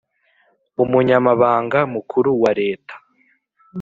Umunyamabanga Mukuru wa reta